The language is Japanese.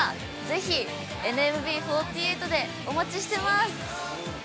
ぜひＮＭＢ４８でお待ちしています。